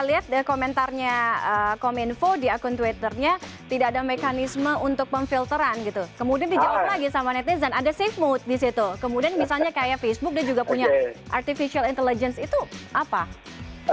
kita lihat komentarnya kominfo di akun twitternya tidak ada mekanisme untuk memfilteran gitu kemudian dijawab lagi sama netizen ada safe mood di situ kemudian misalnya kayak facebook dia juga punya artificial intelligence itu apa